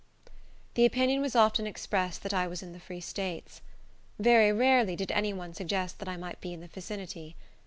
The opinion was often expressed that I was in the Free States. Very rarely did any one suggest that I might be in the vicinity.